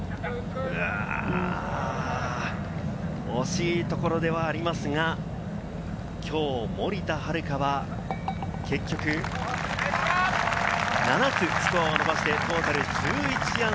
惜しいところではありますが、今日、森田遥は結局、７つスコアを伸ばしてトータル−１１。